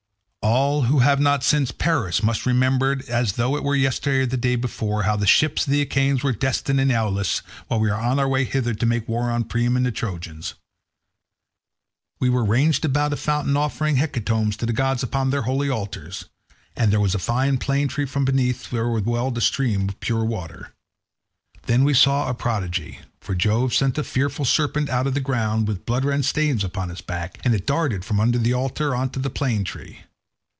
"All who have not since perished must remember as though it were yesterday or the day before, how the ships of the Achaeans were detained in Aulis when we were on our way hither to make war on Priam and the Trojans. We were ranged round about a fountain offering hecatombs to the gods upon their holy altars, and there was a fine plane tree from beneath which there welled a stream of pure water. Then we saw a prodigy; for Jove sent a fearful serpent out of the ground, with blood red stains upon its back, and it darted from under the altar on to the plane tree.